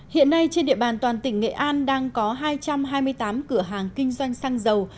hiện nay trên địa bàn toàn tỉnh nghệ an đang có hai trăm hai mươi tám cửa hàng kinh doanh xăng dầu